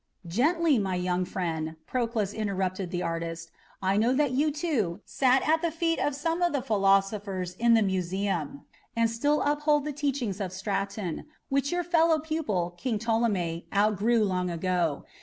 "Gently, my young friend," Proclus interrupted the artist. "I know that you, too, sat at the feet of some of the philosophers in the Museum, and still uphold the teachings of Straton, which your fellow pupil, King Ptolemy, outgrew long ago.